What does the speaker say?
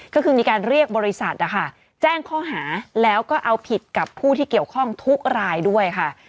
ก็คือมีการเรียกบริษัทนะคะแจ้งข้อหาแล้วก็เอาผิดกับผู้ที่เกี่ยวข้องทุกรายด้วยค่ะ